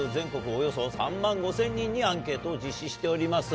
およそ３万５０００人にアンケートを実施しております。